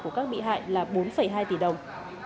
của các bị hại là bốn hai tỷ đồng